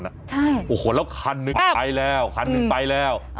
ใช่แอ๊บโอ้โหแล้วครั้นนึงไปแล้ว